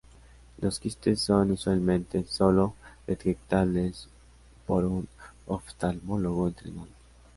Los quistes son usualmente sólo detectables por un oftalmólogo entrenado.